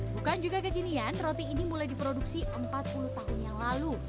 bukan juga kekinian roti ini mulai diproduksi empat puluh tahun yang lalu